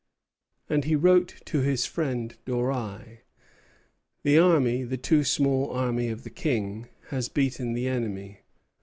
And he wrote to his friend Doreil: "The army, the too small army of the King, has beaten the enemy.